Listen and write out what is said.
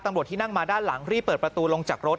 ตำรวจที่นั่งมาด้านหลังรีบเปิดประตูลงจากรถ